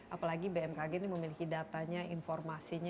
apalagi bmkg ini memiliki datanya informasinya